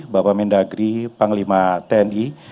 bapak mendagri panglima tni